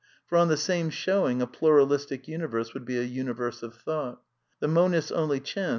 For on the same showing a pluralistic universe would be a universe of thought. The monist's rmly r^hflpr*!